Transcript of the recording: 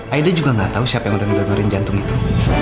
aida juga nggak tahu siapa yang udah ngedonorin jantung itu